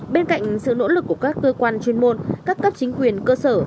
bên cạnh sự nỗ lực của các cơ quan chuyên môn các cấp chính quyền cơ sở